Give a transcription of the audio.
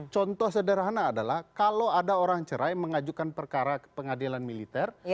contoh sederhana adalah kalau ada orang cerai mengajukan perkara pengadilan militer